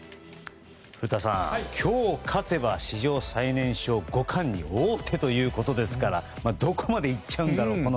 古田さん、今日勝てば史上最年少五冠に王手ということですからどこまでいっちゃうんだろう